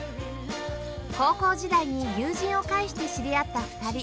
高校時代に友人を介して知り合った２人